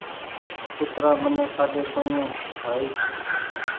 ڪُترآ مني کآڌي ڪُوني بآئي